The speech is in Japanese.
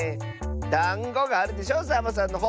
「だんご」があるでしょサボさんのほう！